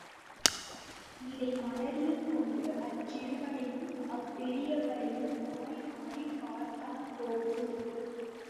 இதை மனத்தில் கொண்டு, அச்சிறுவனையும் அப்பெரியவரையும் மாறி மாறிப் பார்த்தான் கோபு.